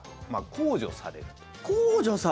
控除される。